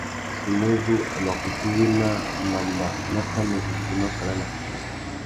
Ichimuzú, a mà kutu wena mamba má tà nu zu djï makana na puna.